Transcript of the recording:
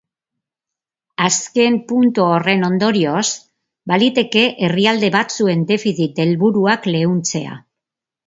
Azken puntu horren ondorioz, baliteke herrialde batzuen defizit helburuak leuntzea.